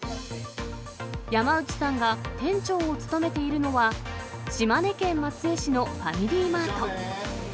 山内さんが店長を務めているのは、島根県松江市のファミリーマート。